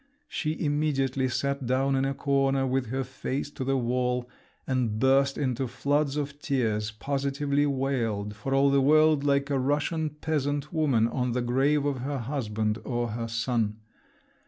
She immediately sat down in a corner, with her face to the wall, and burst into floods of tears, positively wailed, for all the world like a Russian peasant woman on the grave of her husband or her son.